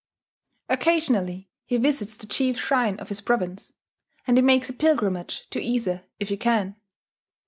Occasionally he visits the chief shrine of his province; and he makes a pilgrimage to Ise if he can.